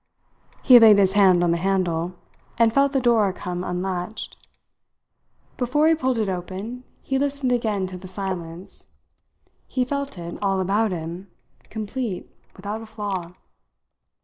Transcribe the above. He laid his hand on the handle, and felt the door come unlatched. Before he pulled it open, he listened again to the silence. He felt it all about him, complete, without a flaw.